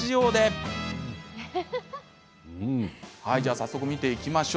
早速、見ていきましょう。